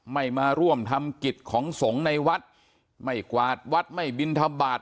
ไม่มาร่วมทำกิจของสงฆ์ในวัดไม่กวาดวัดไม่บินทบาท